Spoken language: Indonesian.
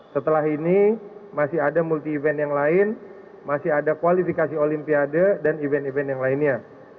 setelah ini masih ada multi event yang lain masih ada kualifikasi olimpiade dan event event yang lainnya